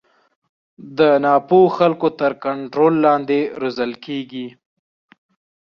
د نا پوه خلکو تر کنټرول لاندې روزل کېږي.